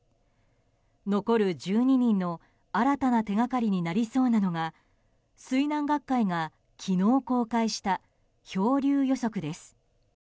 残る１２人の新たな手掛かりになりそうなのが水難学会が昨日公開した漂流予測です。